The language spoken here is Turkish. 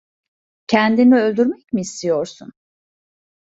Kendini öldürmek mi istiyorsun?